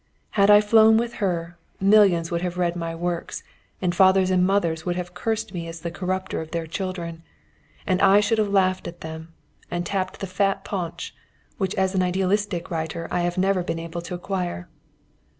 Had I flown with her, millions would have read my works, and fathers and mothers would have cursed me as the corrupter of their children. And I should have laughed at them, and tapped the fat paunch, which as an idealistic writer I have never been able to acquire.